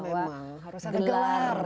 memang harus ada gelar